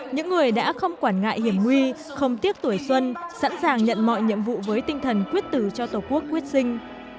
những người đã không quản ngại hiểm nguy không tiếc tuổi xuân sẵn sàng nhận mọi nhiệm vụ với tinh thần quyết tử cho tổ quốc quyết sinh